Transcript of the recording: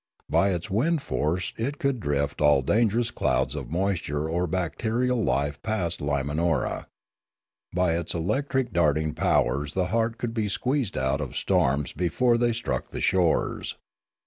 By its wind force it could drift all dangerous clouds of moisture or of bacterial life past Limanora. By its electric darting powers the heart could be squeezed out of storms before they struck the shores.